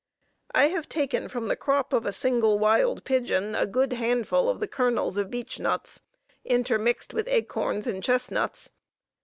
I have taken from the crop of a single wild pigeon a good handful of the kernels of beechnuts, intermixed with acorns and chestnuts.